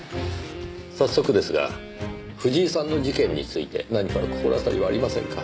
早速ですが藤井さんの事件について何か心当たりはありませんか？